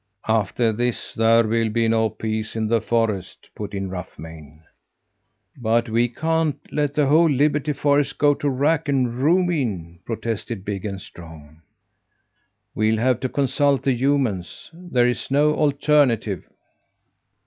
"After this there will be no peace in the forest!" put in Rough Mane. "But we can't let the whole Liberty Forest go to rack and ruin!" protested Big and Strong. "We'll have to consult the humans; there is no alternative."